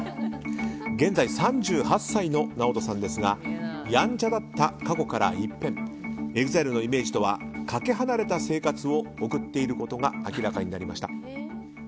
現在３８歳のＮＡＯＴＯさんですがヤンチャだった過去から一変ＥＸＩＬＥのイメージとはかけ離れた生活を送っていることが明らかになりました。